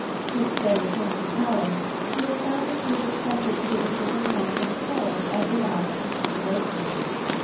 Since their return to Paris she had found that she was expected to give a circumstantial report of every hour she spent away from him.